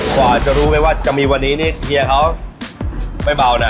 กว่าจะรู้ไหมว่าจะมีวันนี้นี่เฮียเขาไม่เบานะ